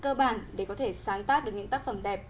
cơ bản để có thể sáng tác được những tác phẩm đẹp